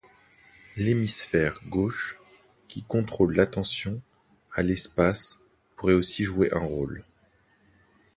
L’hémisphère gauche qui contrôle l’attention à l’espace pourrait aussi jouer un rôle.